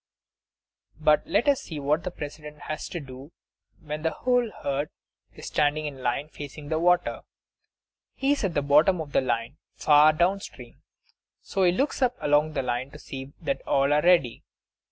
But let us see what the President has to do when the whole herd is standing in line, facing the water. He is at the bottom of the line, far down stream; so he looks up along the line to see that all are ready.